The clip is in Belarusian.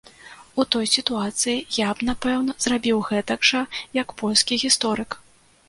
У той сітуацыі, я б напэўна зрабіў гэтак жа, як польскі гісторык.